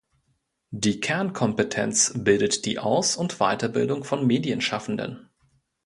Die Kernkompetenz bildet die Aus- und Weiterbildung von Medienschaffenden.